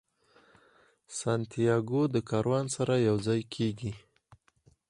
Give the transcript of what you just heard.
سانتیاګو د کاروان سره یو ځای کیږي.